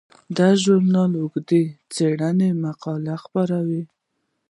دا ژورنال اوږدې څیړنیزې مقالې خپروي.